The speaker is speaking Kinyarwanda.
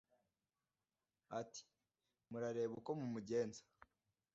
Ati: " Murarebe uko mumugenza